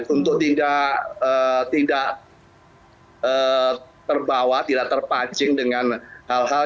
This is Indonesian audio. untuk tidak terbawa tidak terpancing dengan hal hal